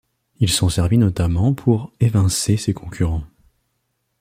Il s’en servit notamment pour évincer ses concurrents.